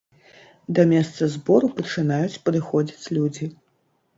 Да месца збору пачынаюць падыходзіць людзі.